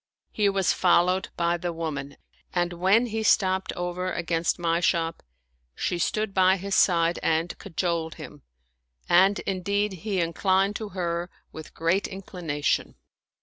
He was fol lowed by the woman, and when he stopped over against my shop, she stood by his side and cajoled him, and indeed he inclined to her with great inclination.